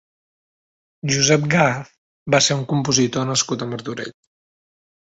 Josep Gaz va ser un compositor nascut a Martorell.